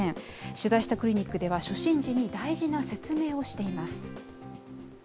取材したクリニックでは、初診時に大事な説明をしています。